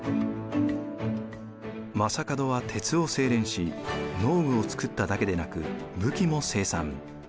将門は鉄を精錬し農具を作っただけでなく武器も生産。